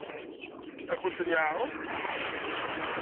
Ad akent-ten-yeɛṛeḍ?